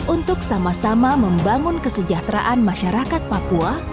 untuk sama sama membangun kesejahteraan masyarakat papua